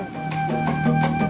dia cuma mau menangis